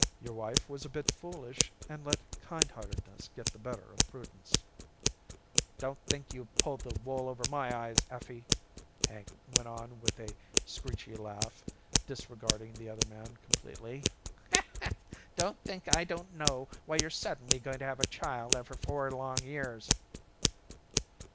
Your wife was a bit foolish and let kindheartedness get the better of prudence " "Don't think you've pulled the wool over my eyes, Effie," Hank went on with a screechy laugh, disregarding the other man completely. "Don't think I don't know why you're suddenly going to have a child after four long years."